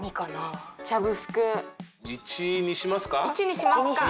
１にしますか？